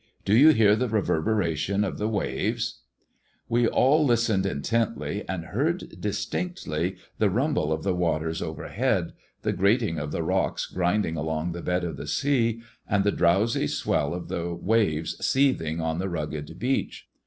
Do you hear the reverberation of the waves]" We all listened intently, and heard distinctly the rumble of the waters overhead, the grating of the rocks grinding along the bed of the sea, and the drowsy swell of the waves seething on the rugged beach.